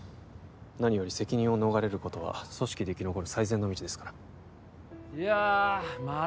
何より責任を逃れることは組織で生き残る最善の道ですからいやあまた